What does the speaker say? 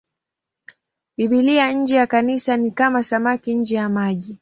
Biblia nje ya Kanisa ni kama samaki nje ya maji.